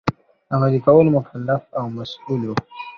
عملي کولو مکلف او مسوول وو.